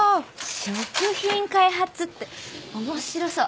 食品開発って面白そう！